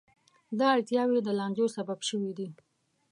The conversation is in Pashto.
دا اړتیاوې د لانجو سبب شوې دي.